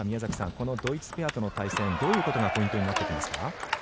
このドイツペアとの対戦どういうことがポイントになってきますか？